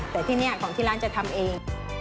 แต่ที่นี่ของที่ร้านจะทำเอง